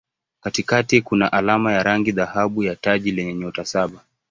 Katikati kuna alama ya rangi dhahabu ya taji lenye nyota saba.